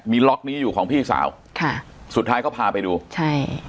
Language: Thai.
มีล็อกนี้อยู่ของพี่สาวค่ะสุดท้ายก็พาไปดูใช่